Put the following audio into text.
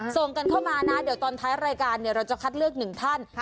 ส่งกันเข้ามานะเดี๋ยวตอนท้ายรายการเราจะคัดเลือกหนึ่งท่าน